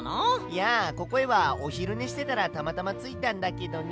いやここへはおひるねしてたらたまたまついたんだけどね。